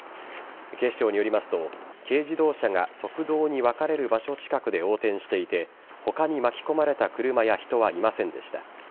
警視庁によりますと軽自動車が側道に分かれる場所近くで横転していて他に巻き込まれた車や人はいませんでした。